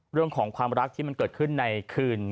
เรื่องของความรักที่มันเกิดขึ้นในคืน